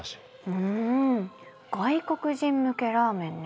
うん外国人向けラーメンね。